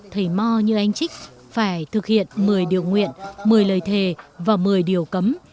thầy mò như anh trích phải thực hiện một mươi điều nguyện một mươi lời thề và một mươi điều cấm